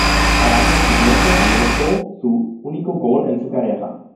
Al año siguiente anotó su unico gol en su carrera.